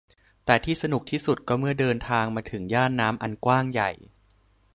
แต่ที่สนุกที่สุดก็เมื่อเดินทางมาถึงย่านน้ำอันกว้างใหญ่